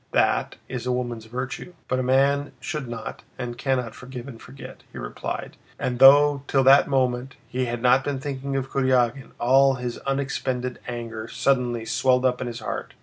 That is a woman's virtue. But a man should not and cannot forgive and forget," he replied, and though till that moment he had not been thinking of Kurágin, all his unexpended anger suddenly swelled up in his heart.